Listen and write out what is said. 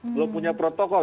belum punya protokol